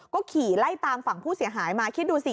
ก็ขี่ไล่ตามฝั่งผู้เสียหายมาคิดดูสิ